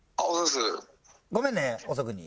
ごめんね遅くに。